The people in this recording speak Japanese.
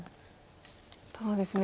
ただですね